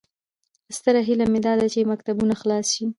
ستره هیله مې داده چې مکتبونه خلاص شي